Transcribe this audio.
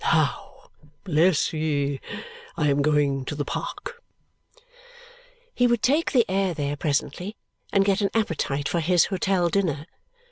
Now, bless ye! I am going to the Park." He would take the air there presently and get an appetite for his hotel dinner.